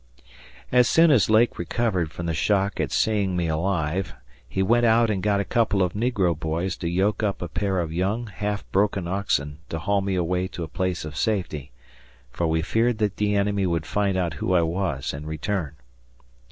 As soon as Lake recovered from the shock at seeing me alive, he went out and got a couple of negro boys to yoke up a pair of young, half broken oxen to haul me away to a place of safety, for we feared that the enemy would find out who I was and return.